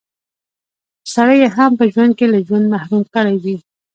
سړی يې هم په ژوند کښې له ژونده محروم کړی وي